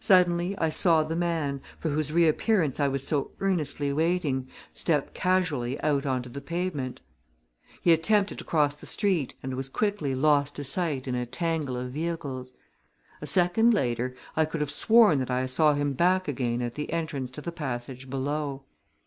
Suddenly I saw the man, for whose reappearance I was so earnestly waiting, step casually out on to the pavement. He attempted to cross the street and was quickly lost to sight in a tangle of vehicles. A second later I could have sworn that I saw him back again at the entrance to the passage below.